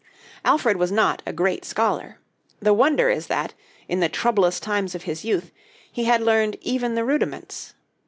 Alfred was not a great scholar. The wonder is that, in the troublous times of his youth, he had learned even the rudiments.